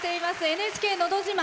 「ＮＨＫのど自慢」